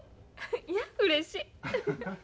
いやうれしい。